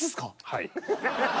はい。